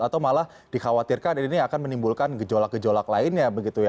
atau malah dikhawatirkan ini akan menimbulkan gejolak gejolak lainnya begitu ya